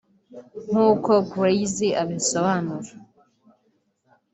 nk’uko Gerlzy abisobanura